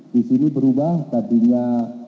di sini berubah tadinya